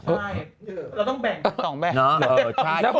เราต้องแบ่งกัน๒แบ่ง